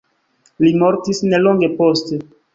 Li mortis nelonge poste.